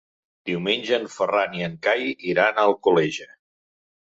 Diumenge en Ferran i en Cai iran a Alcoleja.